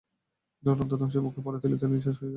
চূড়ান্ত ধ্বংসের মুখে পড়ে তিলে তিলে নিঃশেষ হয়ে যাবে।